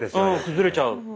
うん崩れちゃう。